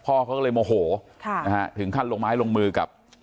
พ่อเขาเลยโมโหถึงคั่นลงไม้ลงมือกับ